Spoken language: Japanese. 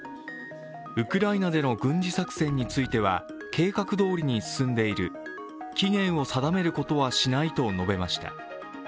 ウクライナでの軍事作戦については計画どおりに進んでいる、期限を定めることはしないと述べました。